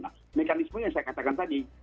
nah mekanisme yang saya katakan tadi